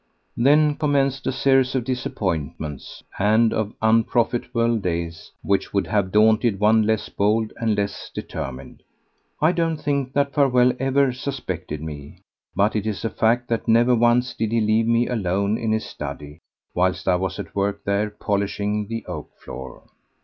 Then commenced a series of disappointments and of unprofitable days which would have daunted one less bold and less determined. I don't think that Farewell ever suspected me, but it is a fact that never once did he leave me alone in his study whilst I was at work there polishing the oak floor.